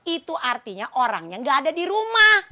itu artinya orangnya gak ada di rumah